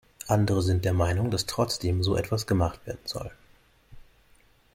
Andere sind der Meinung, dass trotzdem so etwas gemacht werden soll.